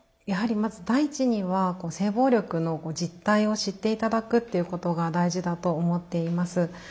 やはりまず第一には性暴力の実態を知って頂くっていうことが大事だと思っています。